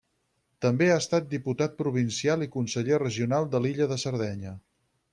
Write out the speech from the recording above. També ha estat diputat provincial i conseller regional de l'illa de Sardenya.